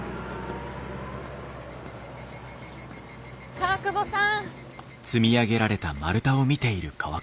川久保さん。